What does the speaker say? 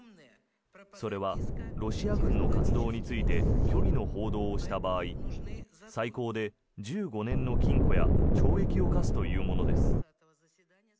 それは、ロシア軍の活動について虚偽の報道をした場合最高で１５年の禁錮や懲役を科すというものです。